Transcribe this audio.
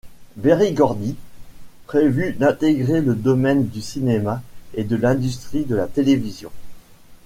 Berry Gordy prévu d'intégrer le domaine du cinéma et de l'industrie de la télévision.